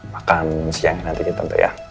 makan siang nantinya tante ya